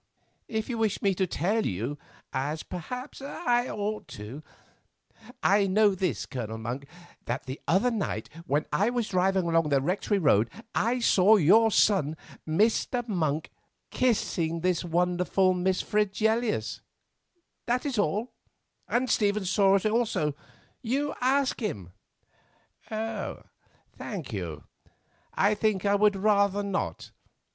"If you wish me to tell you, as perhaps I ought, I know this, Colonel Monk, that the other night, when I was driving along the Rectory road, I saw your son, Mr. Monk, kissing this wonderful Miss Fregelius; that is all, and Stephen saw it also, you ask him." "Thank you; I think I would rather not.